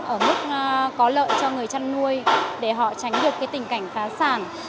ở mức có lợi cho người chăn nuôi để họ tránh được cái tình cảnh phá sản